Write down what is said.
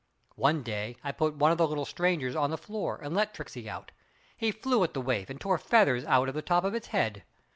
One day I put one of the little strangers on the floor and let Tricksey out. He flew at the waif and tore feathers out of the top of his head.